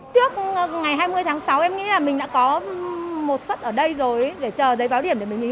trước ngày hai mươi tháng sáu em nghĩ là mình đã có một xuất ở đây rồi để chờ giấy báo điểm để mình nhìn lộp